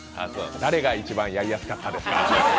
誰が一番やりやすかったですか？